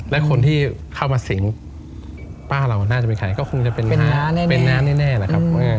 และคนที่เข้ามาสิงป้าเราน่าจะเป็นใครก็คงจะเป็นน้ำแน่แหละครับ